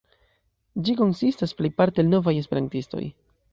Ĝi konsistas plejparte el novaj esperantistoj.